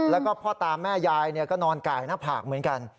แล้วก็พ่อตาแม่ยายก็นอนไก่หน้าผากเหมือนกัน